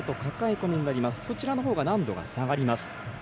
こちらのほうが難度が下がります。